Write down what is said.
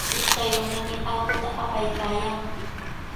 Ishkay runami aquta apaykaayaamun.